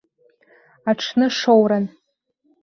Аҽны шоуран.